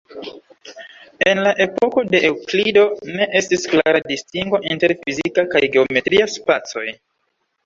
En la epoko de Eŭklido, ne estis klara distingo inter fizika kaj geometria spacoj.